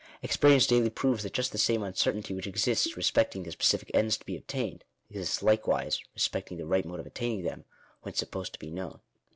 Experience daily proves that just the same uncertainty which exists re specting the specific ends to be obtained, exists likewise re specting the right mode of attaining them when supposed to be known.